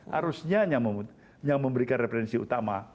harusnya yang memberikan referensi utama